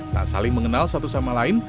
tak saling mengenal satu sama lain